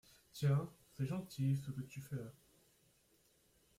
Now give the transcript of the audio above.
Tiens, c’est gentil, ce que tu fais là.